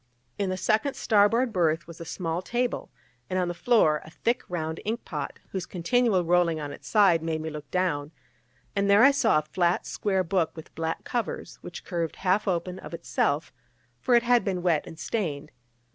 In the second starboard berth was a small table, and on the floor a thick round ink pot, whose continual rolling on its side made me look down; and there I saw a flat square book with black covers, which curved half open of itself, for it had been wet and stained.